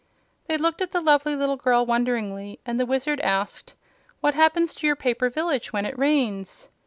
They looked at the lovely little girl wonderingly, and the Wizard asked: "What happens to your paper village when it rains?"